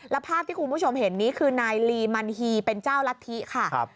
แล้วภาพที่คุณผู้ชมเห็นนี้คือนายลีมันฮีเป็นเจ้ารัฐธิค่ะ